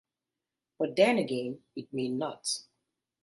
But then again, it may not.